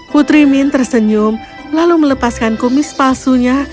putri min tersenyum lalu melepaskan kumis palsunya